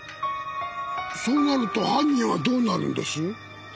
そうなると犯人はどうなるんです？